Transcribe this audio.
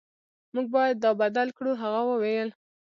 موږ باید دا بدل کړو هغه وویل